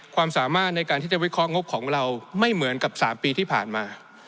ความสามารถในการที่จะวิเคราะหงบของเราไม่เหมือนกับ๓ปีที่ผ่านมา